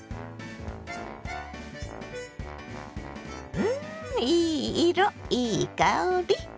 うんいい色いい香り。